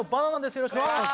よろしくお願いします。